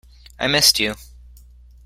I missed you.